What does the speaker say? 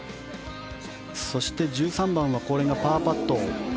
そして１３番はこれがパーパット。